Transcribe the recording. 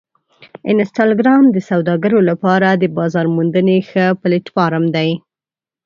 انسټاګرام د سوداګرو لپاره د بازار موندنې ښه پلیټفارم دی.